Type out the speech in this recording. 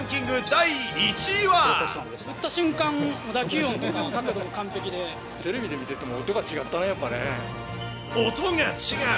第１打った瞬間、打球音とか、テレビで見てても、音が違っ音が違う！